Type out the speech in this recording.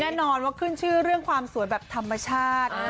แน่นอนว่าขึ้นชื่อเรื่องความสวยแบบธรรมชาติ